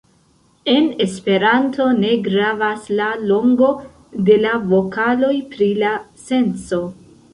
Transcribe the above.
En Esperanto ne gravas la longo de la vokaloj pri la senco.